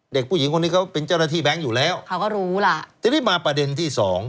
เด็กผู้หญิงคนนี้เขาเป็นเจ้าหน้าที่แบงค์อยู่แล้วเขาก็รู้ล่ะทีนี้มาประเด็นที่สอง